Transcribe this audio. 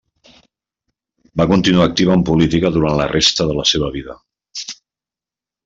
Va continuar activa en política durant la resta de la seva vida.